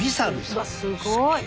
すごい。